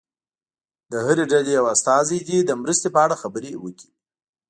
له هرې ډلې یو استازی دې د مرستې په اړه خبرې وکړي.